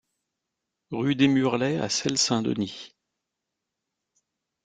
Rue des Murlets à Selles-Saint-Denis